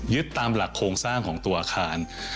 ตามหลักโครงสร้างของตัวอาคาร